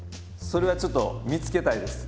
それはちょっと見つけたいです。